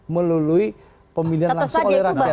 melalui pemilihan langsung oleh rakyat